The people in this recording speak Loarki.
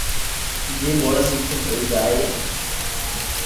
جيم ھوئي سٺو ھوئي جوئي ليو